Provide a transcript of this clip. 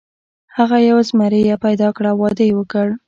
هغه یوه زمریه پیدا کړه او واده یې وکړ.